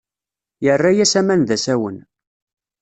Yerra-as aman d asawen.